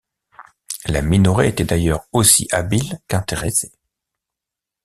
La Minoret était d’ailleurs aussi habile qu’intéressée.